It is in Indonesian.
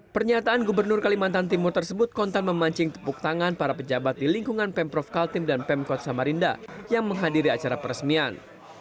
pernyataan gubernur kalimantan timur tersebut kontan memancing tepuk tangan para pejabat di lingkungan pemprov kaltim dan pemkot samarinda yang menghadiri acara peresmian